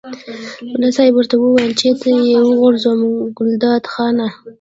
ملا صاحب ورته وویل چېرته یې وغورځوم ګلداد خانه.